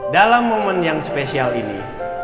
dalam momen yang spesial ini